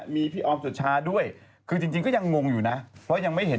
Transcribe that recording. มีพี่ออมสุชาด้วยคือจริงก็ยังงงอยู่นะเพราะยังไม่เห็น